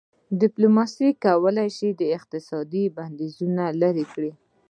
ډيپلوماسي کولای سي اقتصادي بندیزونه لېرې کړي.